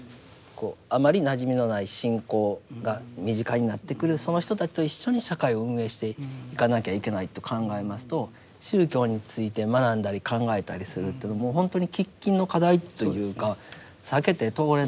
あまりなじみのない信仰が身近になってくるその人たちと一緒に社会を運営していかなきゃいけないと考えますと宗教について学んだり考えたりするというのはもうほんとに喫緊の課題というか避けて通れない問題ですよね。